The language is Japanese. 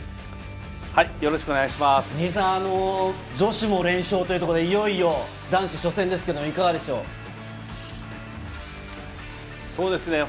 根木さん女子も連勝ということでいよいよ男子初戦ですけどいかがでしょう？